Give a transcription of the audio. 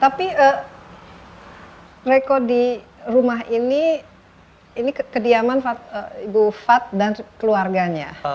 tapi reko di rumah ini ini kediaman ibu fat dan keluarganya